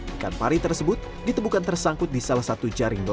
ikan pari tersebut ditemukan tersangkut di salah satu jaring